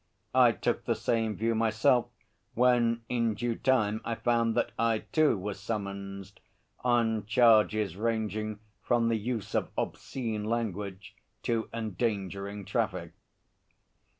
I took the same view myself when in due time I found that I, too, was summonsed on charges ranging from the use of obscene language to endangering traffic.